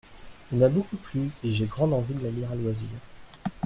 Elle m'a beaucoup plu et j'ai grande envie de la lire à loisir.